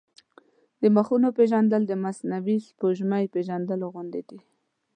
د مخونو پېژندل د مصنوعي سپوږمۍ پېژندل غوندې دي.